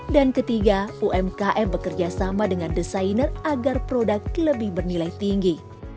dan ketiga umkm bekerja sama dengan desainer agar produk lebih bernilai tinggi